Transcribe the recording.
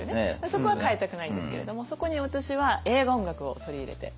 そこは変えたくないんですけれどもそこに私は映画音楽を取り入れて。